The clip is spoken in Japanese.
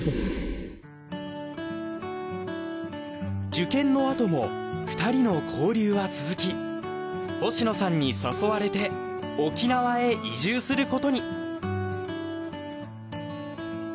受験のあとも２人の交流は続き星野さんに誘われて沖縄へ移住することに。